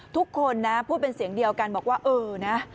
ทุกคนนะพูดเป็นเสียงเดียวกันบอกว่าเออนะ